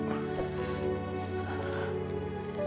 aku peluki ibu